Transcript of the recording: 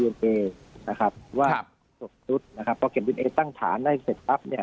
นะครับว่านะครับต้องเก็บด้วยเองตั้งฐานได้เสร็จปรับเนี้ย